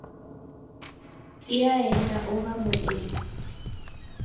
Diaenda ogha modenyi